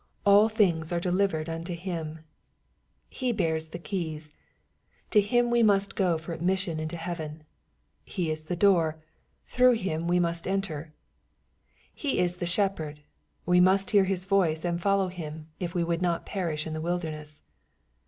" All things are delivered unto 118 EZFOSITOBY THOUGHTS. « hhxu" He bears the keys : to Him we must go for ad* mission into heaven. He is the door : through Him we must enter. He is the Shepherd : we must hear His voice, and follow Him, if we would not perish in the wilderness.